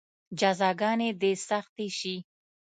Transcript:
جزاګانې دې سختې شي.